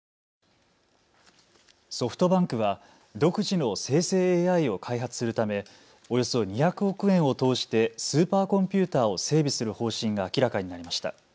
ソフトバンクは独自の生成ＡＩを開発するためおよそ２００億円を投じてスーパーコンピューターを整備する方針が明らかになりました。